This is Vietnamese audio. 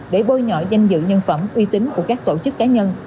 để bôi nhọ danh dự nhân phẩm uy tín của các tổ chức cá nhân